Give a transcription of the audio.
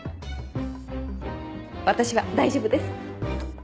私は大丈夫です！